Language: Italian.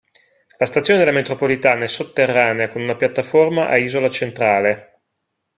La stazione della metropolitana è sotterranea con una piattaforma a isola centrale.